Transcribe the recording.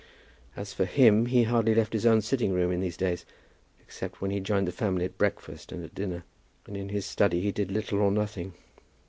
As for him, he hardly left his own sitting room in these days, except when he joined the family at breakfast and at dinner. And in his study he did little or nothing.